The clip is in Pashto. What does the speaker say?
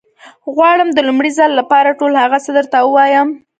غواړم د لومړي ځل لپاره ټول هغه څه درته ووايم.